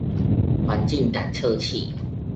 環境感測器